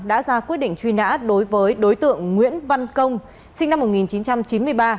đã ra quyết định truy nã đối với đối tượng nguyễn văn công sinh năm một nghìn chín trăm chín mươi ba